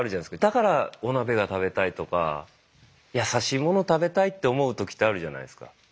だからお鍋が食べたいとかやさしい物食べたいって思う時ってあるじゃないですか。